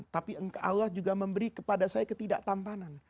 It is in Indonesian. tapi allah juga memberi kepada saya ketidaktampanan